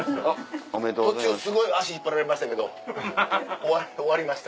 途中すごい足引っ張られましたけど終わりました。